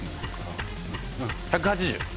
１８０。